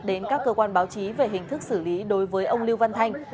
đến các cơ quan báo chí về hình thức xử lý đối với ông lưu văn thanh